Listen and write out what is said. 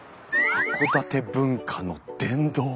函館文化の殿堂！？